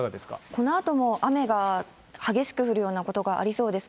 このあとも雨が激しく降るようなことがありそうです。